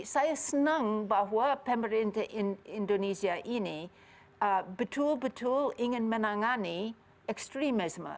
saya senang bahwa pemerintah indonesia ini betul betul ingin menangani ekstremisme